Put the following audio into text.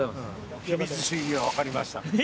秘密主義がわかりました。